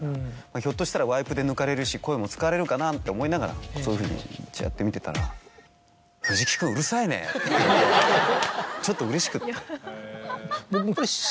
ひょっとしたらワイプで抜かれるし声も使われるかななんて思いながらそういうふうにやって見てたら「藤木君うるさいね！」って言われてちょっとうれしくって。